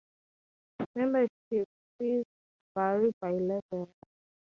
Membership fees vary by level.